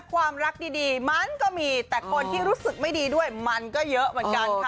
ความรักดีมันก็มีแต่คนที่รู้สึกไม่ดีด้วยมันก็เยอะเหมือนกันค่ะ